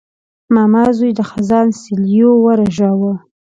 ماما زوی د خزان سیلیو ورژاوه.